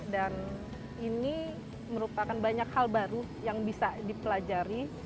dan ini merupakan banyak hal baru yang bisa dipelajari